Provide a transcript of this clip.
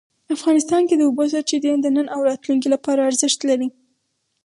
افغانستان کې د اوبو سرچینې د نن او راتلونکي لپاره ارزښت لري.